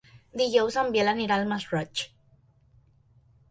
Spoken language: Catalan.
Dijous en Biel anirà al Masroig.